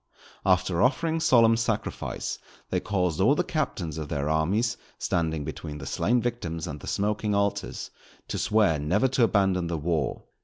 After offering solemn sacrifice they caused all the captains of their armies, standing between the slain victims and the smoking altars, to swear never to abandon the war.